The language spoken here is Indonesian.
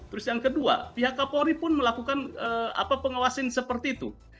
terus yang kedua pihak kapori pun melakukan pengawasan seperti itu